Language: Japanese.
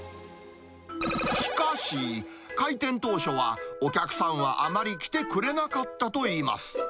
しかし、開店当初はお客さんはあまり来てくれなかったといいます。